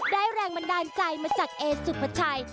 ได้แรงบันดาลใจมาจากเอสซุปเปอร์ชัย